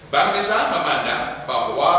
bank indonesia memandang bahwa